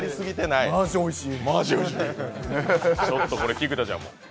マジおいしい。